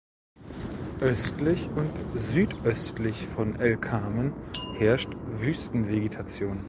Östlich und südöstlich von El Carmen herrscht Wüstenvegetation.